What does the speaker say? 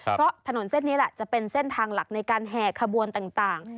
เพราะถนนเส้นนี้แหละจะเป็นเส้นทางหลักในการแห่ขบวนต่าง